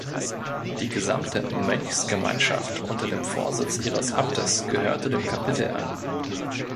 Die gesamte Mönchsgemeinschaft unter dem Vorsitz ihres Abtes gehörte dem Kapitel an.